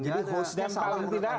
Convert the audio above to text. jadi hostnya salah menurut anda